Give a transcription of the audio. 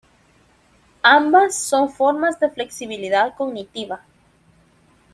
Ambas son formas de flexibilidad cognitiva.